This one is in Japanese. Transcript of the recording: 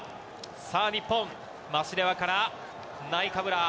さあ、日本、マシレワからナイカブラ。